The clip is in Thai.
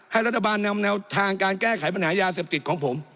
รัฐบาลนำแนวทางการแก้ไขปัญหายาเสพติดของผม